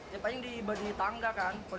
ya paling di badan tangga kan